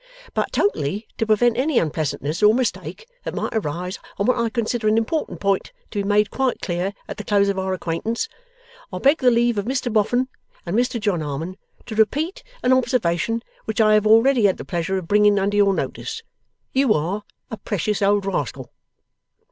But totally to prevent any unpleasantness or mistake that might arise on what I consider an important point, to be made quite clear at the close of our acquaintance, I beg the leave of Mr Boffin and Mr John Harmon to repeat an observation which I have already had the pleasure of bringing under your notice. You are a precious old rascal!